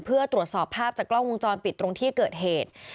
เพื่อตรวจสอบภาพจากกล้องวงจรปิดตรงที่เกิดเหตุ